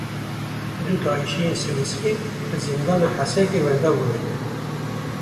Du Daişiyên Swîsrî li zindana Hesekê wenda bûne.